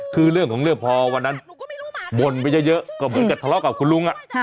คือเรื่องของเรื่องพอวันนั้นบ่นไปเยอะก็เหมือนกับทะเลาะกับคุณลุง